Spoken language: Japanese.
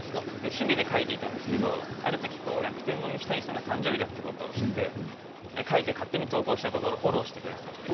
趣味で描いていたんですけどあるとき楽天の三木谷さんが誕生日ということを知って描いて勝手に投稿したところフォローしてくださって。